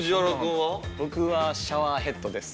僕はシャワーヘッドです。